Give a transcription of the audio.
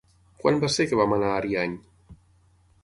Quan va ser que vam anar a Ariany?